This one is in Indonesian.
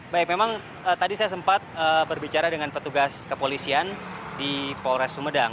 baik memang tadi saya sempat berbicara dengan petugas kepolisian di polres sumedang